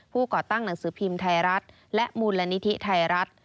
ก่อตั้งหนังสือพิมพ์ไทยรัฐและมูลนิธิไทยรัฐ